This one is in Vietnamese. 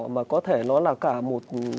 mà có thể nó là cả một